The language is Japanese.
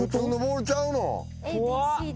怖っ。